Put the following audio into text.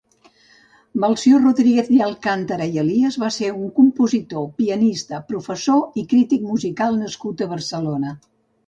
Melcior Rodríguez de Alcántara i Elias va ser un compositor, pianista, professor i crític musical nascut a Barcelona.